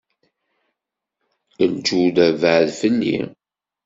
Lǧuda baɛed fell-i.